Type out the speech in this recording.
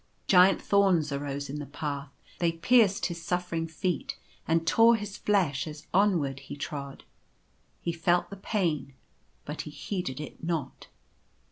Giant thorns arose in the path; they pierced his suffering feet and tore his flesh as onward he trod. He felt the pain, but he heeded it not.